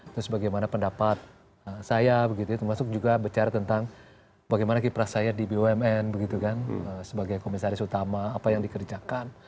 terus bagaimana pendapat saya termasuk juga bicara tentang bagaimana kiprah saya di bumn sebagai komisaris utama apa yang dikerjakan